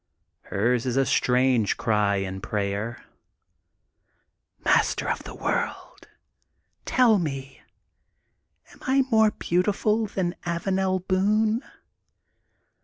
Hers is a strange cry and prayer: — ^'Master of the World, tell me, am I more beautiful than Avanel Boone?"